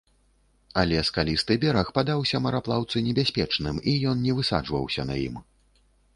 Але скалісты бераг падаўся мараплаўцу небяспечным, і ён не высаджваўся на ім.